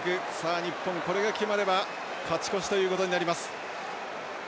日本これが決まれば勝ち越しということになります。